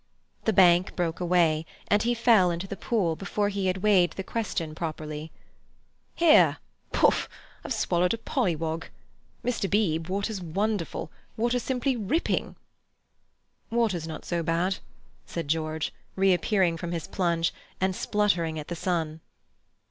The bank broke away, and he fell into the pool before he had weighed the question properly. "Hee poof—I've swallowed a pollywog, Mr. Beebe, water's wonderful, water's simply ripping." "Water's not so bad," said George, reappearing from his plunge, and sputtering at the sun.